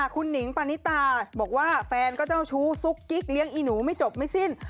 คุณหนิงปานิตาบอกว่าแฟนก็เจ้าชู้ซุกกิ๊กเลี้ยงอีหนูไม่จบไม่สิ้น